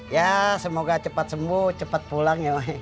ya semoga cepat sembuh cepat pulang ya